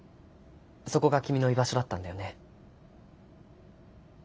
そこが君の居場所だったんだよね。